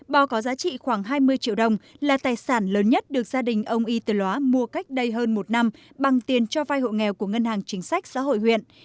bò có giá trị khoảng hai mươi triệu đồng là tài sản lớn nhất được gia đình ông y từ loa mua cách đây hơn một năm bằng tiền cho vai hộ nghèo của ngân hàng chính sách xã hội huyện